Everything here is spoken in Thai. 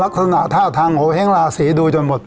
ลักษณะท่าทางโหเฮ้งลาศรีดูจนหมด